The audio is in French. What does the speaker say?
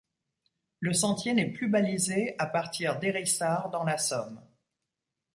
Le sentier n'est plus balisé à partir d'Hérissart dans la Somme.